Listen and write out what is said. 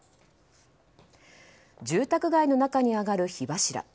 住宅街の中に上がる火柱。